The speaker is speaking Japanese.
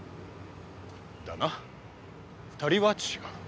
だな２人は違う。